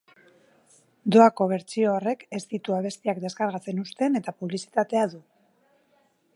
Doako bertsio horrek ez ditu abestiak deskargatzen uzten eta publizitatea du.